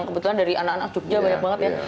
kebetulan dari anak anak jogja banyak banget ya